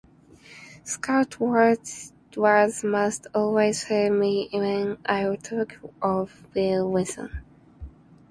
Scott wrote Words must always fail me when I talk of Bill Wilson.